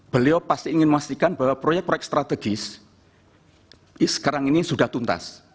beliau pasti ingin memastikan bahwa proyek proyek strategis sekarang ini sudah tuntas